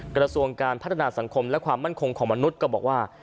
กระทรวงการพัฒนาสังคมและความมั่นคงของมนุษย์ก็บอกว่า